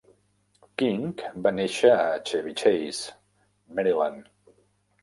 King va néixer a Chevy Chase, Maryland.